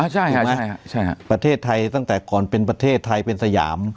ใช่ไหมประเทศไทยตั้งแต่ก่อนเป็นประเทศไทยเป็นสยาม